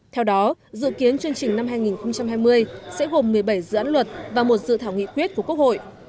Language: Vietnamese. theo đó dự kiến chương trình năm hai nghìn hai mươi sẽ gồm một mươi bảy dự án luật và một dự thảo nghị quyết của quốc hội